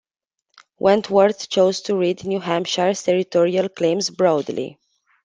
Wentworth chose to read New Hampshire's territorial claims broadly.